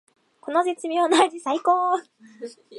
この絶妙な味さいこー！